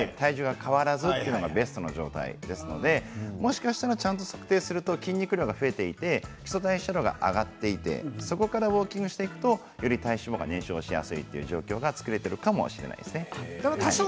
理想は筋肉量が増えて体脂肪量が減って体重が変わらずというのがベストの状態ですのでもしかしたらちゃんと測定すると筋肉量が増えて基礎代謝量が増えてウォーキングしていくとより体脂肪が燃焼しやすいという状況が作れているかもしれませんね。